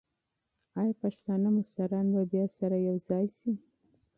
ایا پښتانه مشران به بیا سره متحد شي؟